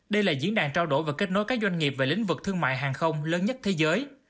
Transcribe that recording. đây là diễn đàn trao đổi và kết nối các doanh nghiệp về lĩnh vực thương mại hàng không lớn nhất thế giới